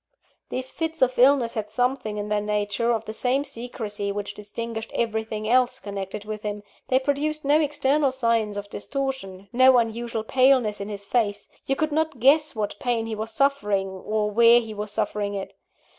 These fits of illness had something in their nature of the same secrecy which distinguished everything else connected with him: they produced no external signs of distortion, no unusual paleness in his face you could not guess what pain he was suffering, or where he was suffering it.